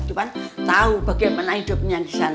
cuman tau bagaimana hidupnya di sana